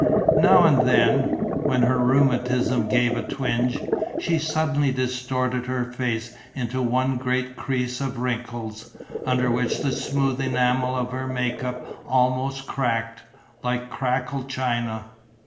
Now and then, when her rheumatism gave a twinge, she suddenly distorted her face into one great crease of wrinkles, under which the smooth enamel of her make up almost cracked, like crackle china.